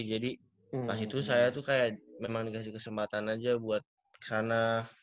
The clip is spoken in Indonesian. jadi pas itu saya tuh kayak memang dikasih kesempatan aja buat kesana